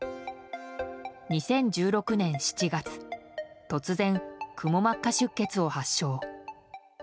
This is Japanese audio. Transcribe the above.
２０１６年７月突然、くも膜下出血を発症。